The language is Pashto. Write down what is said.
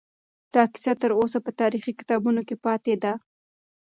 دا کیسه تر اوسه په تاریخي کتابونو کې پاتې ده.